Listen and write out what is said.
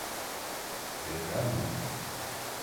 Deprem mi?